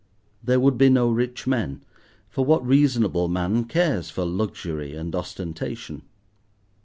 There would be no rich men, for what reasonable man cares for luxury and ostentation?